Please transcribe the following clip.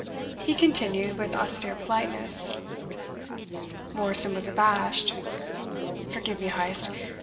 he continued with austere politeness. Morrison was abashed. "Forgive me, Heyst.